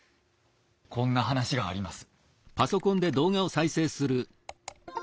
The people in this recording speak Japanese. こんな話があります。